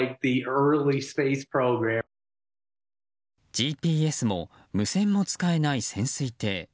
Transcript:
ＧＰＳも無線も使えない潜水艇。